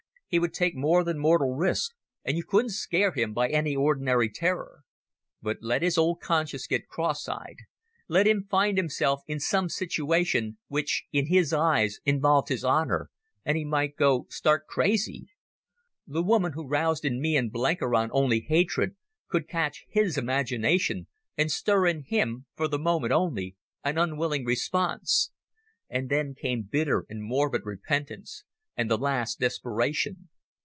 He would take more than mortal risks, and you couldn't scare him by any ordinary terror. But let his old conscience get cross eyed, let him find himself in some situation which in his eyes involved his honour, and he might go stark crazy. The woman, who roused in me and Blenkiron only hatred, could catch his imagination and stir in him—for the moment only—an unwilling response. And then came bitter and morbid repentance, and the last desperation.